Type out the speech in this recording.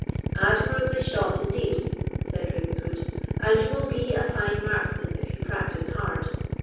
"Admirably shot, indeed," said Ravenswood; "and you will be a fine marksman if you practise hard."